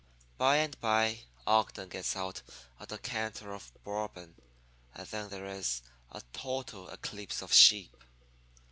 "By and by Ogden gets out a decanter of Bourbon, and then there is a total eclipse of sheep.